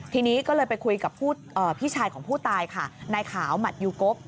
ทีนี้ก็เลยไปคุยกับพี่ชายของผู้ตายค่ะนายขาวหมัดยูกบ